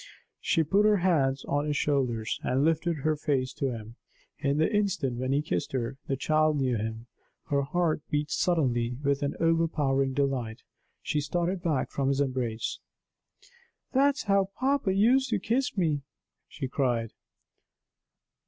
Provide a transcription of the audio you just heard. She put her hands on his shoulder and lifted her face to him. In the instant when he kissed her, the child knew him. Her heart beat suddenly with an overpowering delight; she started back from his embrace. "That's how papa used to kiss me!" she cried.